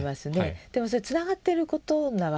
でもつながってることなわけですね。